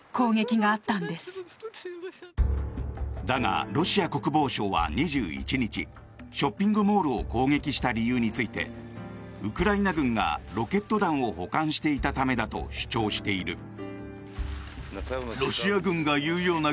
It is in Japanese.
だが、ロシア国防省は２１日ショッピングモールを攻撃した理由についてウクライナ軍がロケット弾を保管していたためだと主張している。